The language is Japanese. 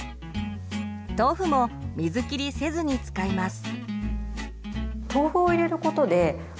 豆腐も水切りせずに使います。